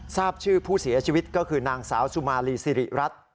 ทราบชื่อผู้เสียชีวิตก็คือนางสาวสุมารีสิริรัตน์